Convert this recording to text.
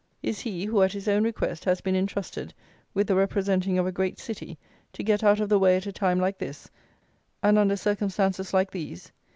Is he, who, at his own request, has been intrusted with the representing of a great city to get out of the way at a time like this, and under circumstances like these?